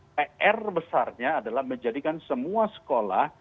pr besarnya adalah menjadikan semua sekolah